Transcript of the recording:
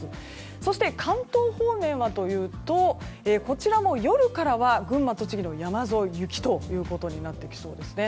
そして関東方面はというとこちらも夜からは群馬、栃木の山沿いで雪となってきそうですね。